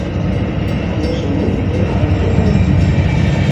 Але ж мы гэтага не зрабілі.